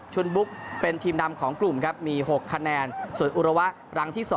บุ๊กเป็นทีมนำของกลุ่มครับมี๖คะแนนส่วนอุระวะรังที่๒